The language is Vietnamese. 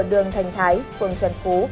ở đường thành thái phường trần phú